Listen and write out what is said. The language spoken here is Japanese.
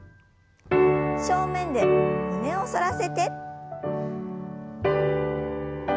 正面で胸を反らせて。